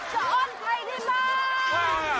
จะอ้อนใครได้บ้าง